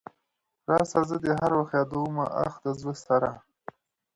راسه زه دي هر وخت يادومه اخ د زړه سره .